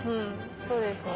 そうですね